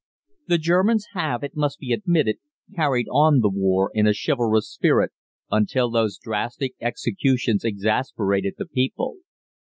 "The Germans have, it must be admitted, carried on the war in a chivalrous spirit, until those drastic executions exasperated the people.